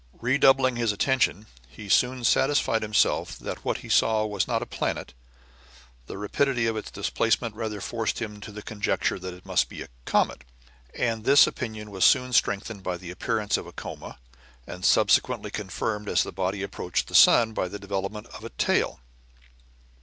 Redoubling his attention, he soon satisfied himself that what he saw was not a planet; the rapidity of its displacement rather forced him to the conjecture that it must be a comet, and this opinion was soon strengthened by the appearance of a coma, and subsequently confirmed, as the body approached the sun, by the development of a tail.